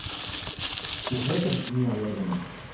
У гэтым не мая віна.